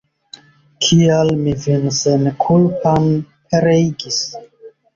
Kial mi vin senkulpan pereigis!